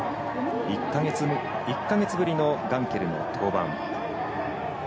１か月ぶりのガンケルの登板。